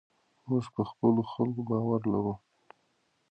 موږ په خپلو خلکو باور لرو.